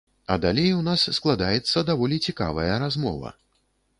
А далей у нас складаецца даволі цікавая размова.